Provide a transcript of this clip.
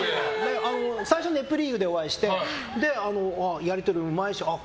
最初「ネプリーグ」でお会いしてやりとり、うまいし。